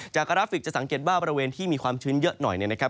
กราฟิกจะสังเกตว่าบริเวณที่มีความชื้นเยอะหน่อยเนี่ยนะครับ